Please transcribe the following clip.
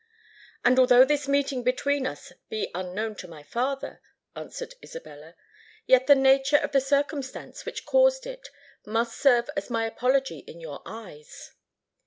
"And although this meeting between us be unknown to my father," answered Isabella, "yet the nature of the circumstance which caused it must serve as my apology in your eyes."